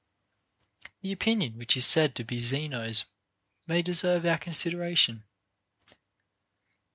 12. The opinion which is said to be Zeno's may deserve our consideration.